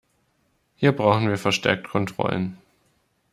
Hier brauchen wir verstärkt Kontrollen.